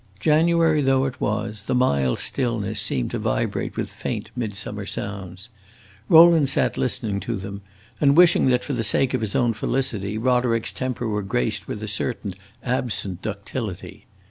January though it was, the mild stillness seemed to vibrate with faint midsummer sounds. Rowland sat listening to them and wishing that, for the sake of his own felicity, Roderick's temper were graced with a certain absent ductility.